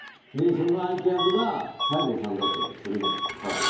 その相手役が西郷さんだったとするじゃないですか。